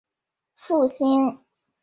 复兴公园原址为顾家宅村。